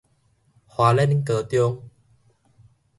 花蓮高中